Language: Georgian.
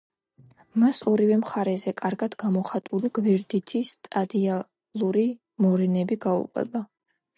მას ორივე მხარეზე კარგად გამოხატული გვერდითი სტადიალური მორენები გაუყვება.